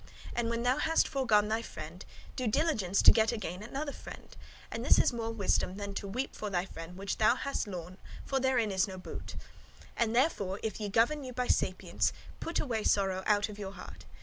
And when thou hast forgone [lost] thy friend, do diligence to get again another friend: and this is more wisdom than to weep for thy friend which that thou hast lorn [lost] for therein is no boot [advantage]. And therefore if ye govern you by sapience, put away sorrow out of your heart.